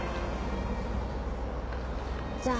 じゃあ。